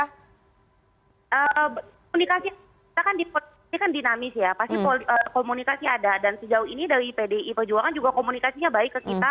komunikasi kita kan dinamis ya pasti komunikasi ada dan sejauh ini dari pdi perjuangan juga komunikasinya baik ke kita